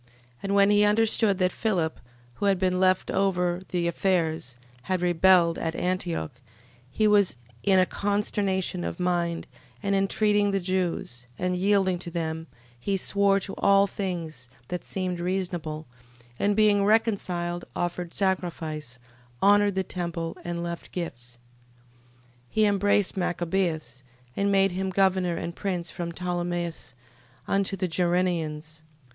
And when he understood that Philip, who had been left over the affairs, had rebelled at Antioch, he was in a consternation of mind, and intreating the Jews, and yielding to them, he swore to all things that seemed reasonable, and, being reconciled, offered sacrifice, honoured the temple, and left gifts. 13:24. He embraced Machabeus, and made him governor and prince from Ptolemais unto the Gerrenians.